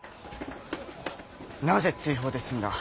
なぜ追放で済んだ？